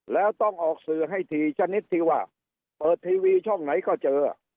แล้วต้องออกสื่อให้ทีชนิดที่ว่าเปิดทีวีช่องไหนก็เจอ